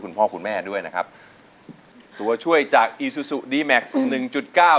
คุณพ่อคุณแม่ด้วยนะครับตัวช่วยจากอีซูซูดีแม็กซ์หนึ่งจุดเก้า